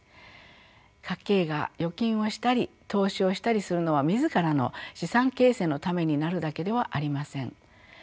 家計が預金をしたり投資をしたりするのは自らの資産形成のためになるだけではありません。